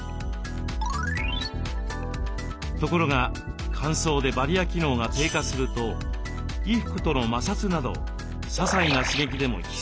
ところが乾燥でバリア機能が低下すると衣服との摩擦などささいな刺激でもヒスタミンを放出。